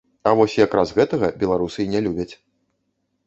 А вось якраз гэтага беларусы і не любяць.